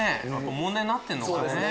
問題になってんのかね。